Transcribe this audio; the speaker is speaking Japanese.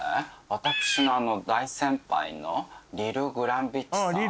私の大先輩のリル・グランビッチさん。